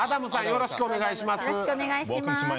よろしくお願いします。